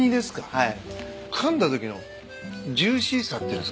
はい。